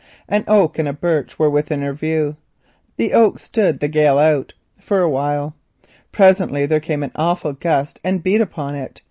An oak and a birch were within her view. The oak stood the storm out—for a while. Presently there came an awful gust and beat upon it.